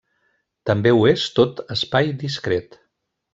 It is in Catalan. També ho és tot espai discret.